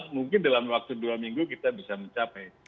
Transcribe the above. mungkin dalam waktu dua minggu kita bisa mencapai